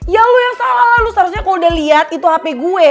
ya lu yang salah lu seharusnya kalau udah lihat itu hp gue